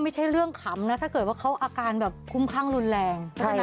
ไม่ใช่เรื่องขำนะถ้าเกิดว่าเขาอาการแบบคุ้มข้างรุนแรง